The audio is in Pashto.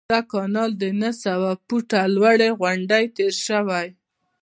دا کانال د نهه سوه فوټه لوړې غونډۍ تیر شوی.